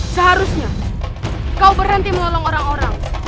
seharusnya kau berhenti menolong orang orang